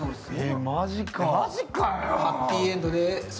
マジかよ。